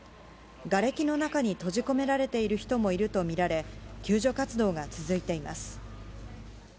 がれきの中に閉じ込められている人もいると見られ、救助活動が続いています。